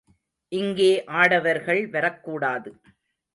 இங்கே ஆடவர்கள் வரக்கூடாது.